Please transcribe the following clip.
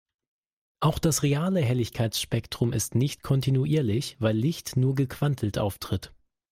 Auch das reale Helligkeitsspektrum ist nicht kontinuierlich, weil Licht nur gequantelt auftritt.